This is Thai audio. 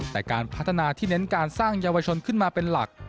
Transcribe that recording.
แต่การพัฒนาที่เน้นการสร้างเยาวชนขึ้นมาเป็นหลัก